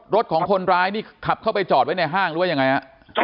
รถของคนร้ายนี่ขับเข้าไปจอดไว้ในห้างหรือว่ายังไงฮะ